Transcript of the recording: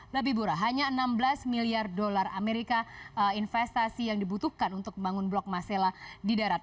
lebih murah hanya enam belas miliar dolar amerika investasi yang dibutuhkan untuk membangun blok masela di darat